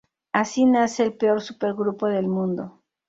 Así nace el peor supergrupo del mundo.